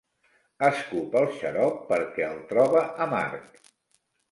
Escup el xarop perquè el troba amarg.